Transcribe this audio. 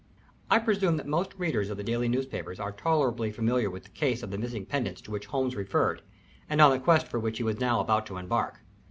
I presume that most readers of the daily newspapers are tolerably familiar with the case of the missing pendants to which Holmes referred, and on the quest for which he was now about to embark.